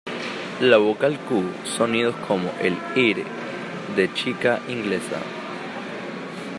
La vocal q sonidos "como el "ir" de 'chica' inglesa".